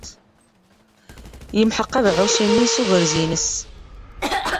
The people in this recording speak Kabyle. Yemḥeq abeɛɛuc-nni s ugerz-nnes.